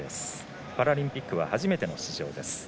パラリンピックは初めての出場です。